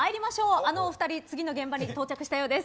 あのお二人次の現場に到着したようです。